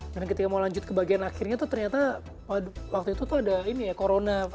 dan ketika mau lanjut ke bagian akhirnya tuh ternyata waktu itu tuh ada ini ya corona